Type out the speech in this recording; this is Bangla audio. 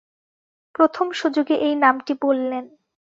প্রথম সুযোগে এই নামটি বললেন।